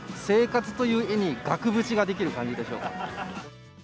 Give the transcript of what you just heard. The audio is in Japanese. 生活という画に額縁が出来る感じでしょうか。